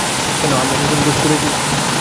কেন, আমরা কি কোনো দোষ করেছি?